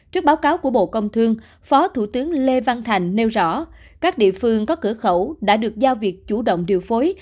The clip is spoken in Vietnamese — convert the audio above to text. trước báo cáo của bộ công thương phó thủ tướng lê văn thành nêu rõ các địa phương có cửa khẩu đã được giao việc chủ động điều phối